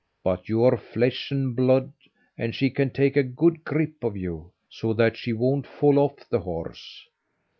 But you're flesh and blood, and she can take a good grip of you, so that she won't fall off the horse.